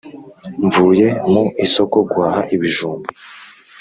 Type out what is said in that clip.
mvuye mu isoko guhaha ibijumba